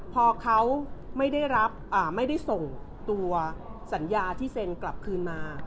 พอเขาไม่ได้รับไม่ได้ส่งตัวสัญญาที่เซ็นกลับคืนมา